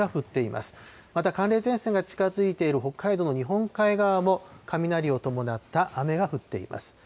また寒冷前線が近づいている北海道、日本海側も雷を伴った雨が降っています。